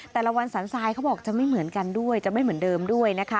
แต่ละวันสันทรายเขาบอกจะไม่เหมือนกันด้วยจะไม่เหมือนเดิมด้วยนะคะ